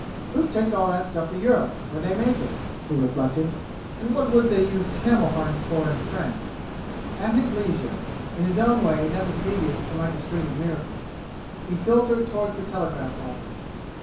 "Who'd take all that stuff to Europe, where they make it?" he reflected. "And what 'u'd they use camel harness for in France?" At his leisure in his own way, that was devious and like a string of miracles he filtered toward the telegraph office.